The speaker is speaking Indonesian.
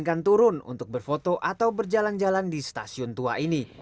akan turun untuk berfoto atau berjalan jalan di stasiun tua ini